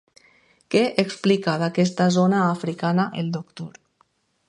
Què explica d'aquesta zona africana el doctor.